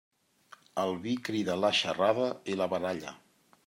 El vi crida la xarrada i la baralla.